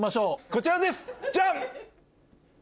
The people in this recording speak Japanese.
こちらですジャン！